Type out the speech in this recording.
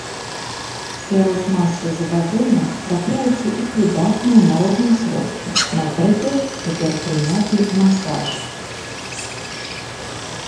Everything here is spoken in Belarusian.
Сярод масы забабонаў трапляюцца і прыдатныя народныя сродкі, напрыклад цяпер прыняты масаж.